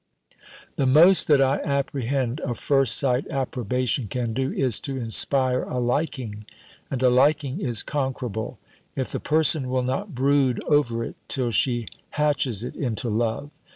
"The most that I apprehend a first sight approbation can do, is to inspire a liking; and a liking is conquerable, if the person will not brood over it, till she hatches it into love.